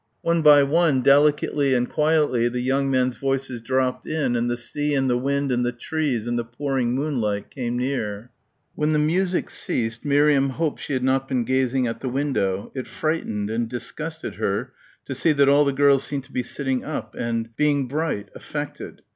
One by one, delicately and quietly the young men's voices dropped in, and the sea and the wind and the trees and the pouring moonlight came near. When the music ceased Miriam hoped she had not been gazing at the window. It frightened and disgusted her to see that all the girls seemed to be sitting up and ... being bright ... affected.